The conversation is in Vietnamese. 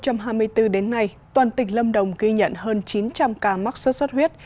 từ đầu năm hai nghìn hai mươi bốn đến nay toàn tỉnh lâm đồng ghi nhận hơn chín trăm linh ca mắc xuất xuất huyết